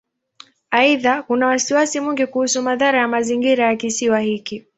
Aidha, kuna wasiwasi mwingi kuhusu madhara ya mazingira ya Kisiwa hiki.